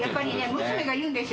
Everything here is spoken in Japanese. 娘が言うんですよ。